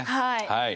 はい。